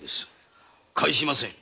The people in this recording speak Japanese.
返しません！